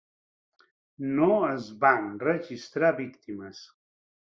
No es van registrar víctimes.